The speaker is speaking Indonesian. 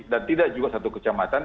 dan tidak juga satu kecamatan